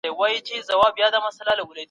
کیسې په انګریزي ژبه لیکل شوې دي.